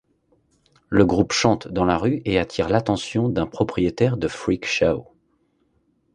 Le groupe chante dans la rue et attire l'attention d'un propriétaire de freak show.